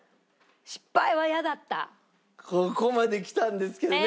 ここまできたんですけどね